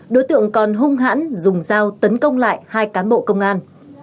đối tượng còn hung hãn dùng dao tấn công lại hai cán bộ công an